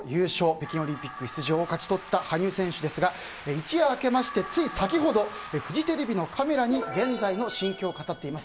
北京オリンピック出場を勝ち取った羽生選手ですが一夜明けまして、つい先ほどフジテレビのカメラに現在の心境を語っています。